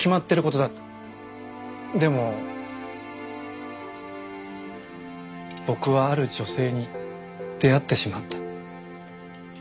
でも僕はある女性に出会ってしまった。